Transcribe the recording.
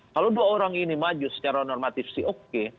kalau dua orang ini maju secara normatif sih oke